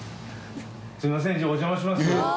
すいませんじゃあお邪魔します。